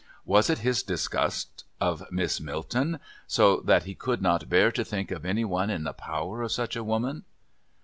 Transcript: Was it his disgust of Miss Milton, so that he could not bear to think of any one in the power of such a woman?